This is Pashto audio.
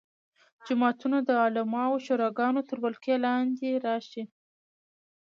جوماتونه د عالمانو شوراګانو تر ولکې لاندې راشي.